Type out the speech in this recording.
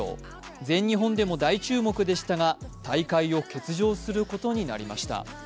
全日本でも大注目でしたが大会を欠場することになりました。